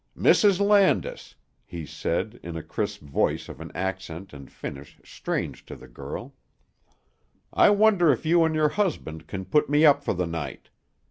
"Mrs. Landis," he said, in a crisp voice of an accent and finish strange to the girl "I wonder if you and your husband can put me up for the night.